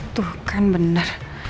tuh kan bener